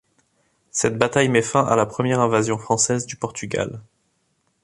Cette bataille met fin à la première invasion française du Portugal.